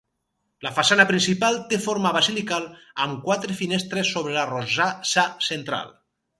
La façana principal té forma basilical amb quatre finestres sobre la rosassa central.